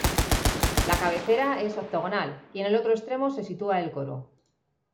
La cabecera es octogonal y en el otro extremo se sitúa el coro.